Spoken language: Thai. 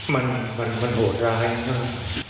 มันโหดร้ายมาก